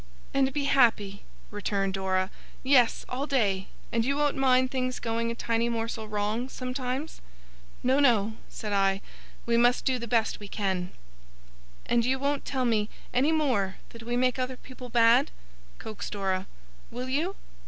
'And be happy!' returned Dora. 'Yes! All day! And you won't mind things going a tiny morsel wrong, sometimes?' 'No, no,' said I. 'We must do the best we can.' 'And you won't tell me, any more, that we make other people bad,' coaxed Dora; 'will you?